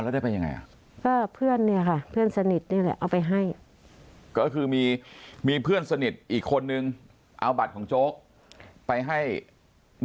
แล้วได้ไปยังไงก็เพื่อนเนี่ยค่ะเพื่อนสนิทนี่เลยเอาไปให้ก็คือมีพึ่งสนิทอีกคนนึงเอาบัตรของเจ้าไปให้แม่ของเพื่อนใคร